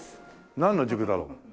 なんの塾だろう？